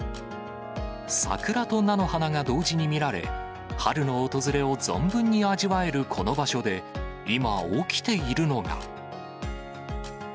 桜と菜の花が同時に見られ、春の訪れを存分に味わえるこの場所で、今、起きているのが。